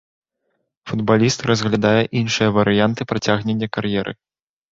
Футбаліст разглядае іншыя варыянты працягнення кар'еры.